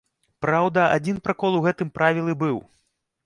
Праўда, адзін пракол у гэтым правілы быў.